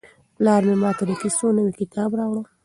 پلار مې ماته د کیسو نوی کتاب راوړ.